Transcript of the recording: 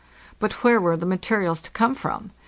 But where were the materials to come from?